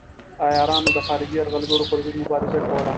عیارانو د خارجي یرغلګرو پر ضد مبارزه کوله.